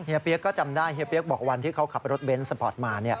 เปี๊ยกก็จำได้เฮียเปี๊ยกบอกวันที่เขาขับรถเบนท์สปอร์ตมา